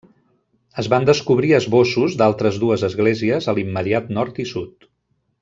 Es van descobrir esbossos d'altres dues esglésies a l'immediat nord i sud.